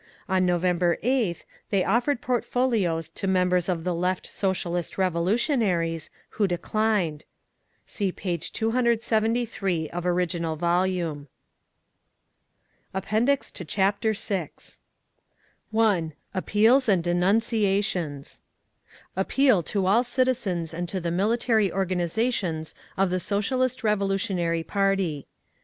On November 8th they offered portfolios to members of the Left Socialist Revolutionaries, who declined. See page 273. {of original volume} APPENDIX TO CHAPTER VI 1. APPEALS AND DENUNCIATIONS Appeal to all Citizens and to the Military Organisations of the Socialist Revolutionary Party.